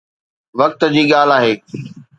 وقت جي ڳالهه آهي